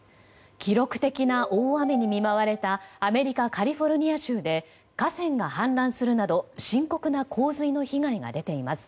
記録的な大雨に見舞われたアメリカ・カリフォルニア州で河川が氾濫するなど深刻な洪水の被害が出ています。